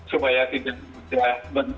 supaya tidak mudah